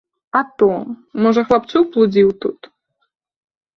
А то, можа, хлапчук блудзіў тут?